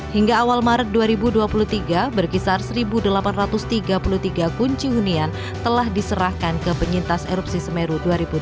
hingga awal maret dua ribu dua puluh tiga berkisar satu delapan ratus tiga puluh tiga kunci hunian telah diserahkan ke penyintas erupsi semeru dua ribu dua puluh